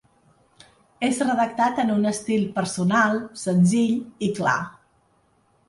És redactat en un estil personal, senzill i clar.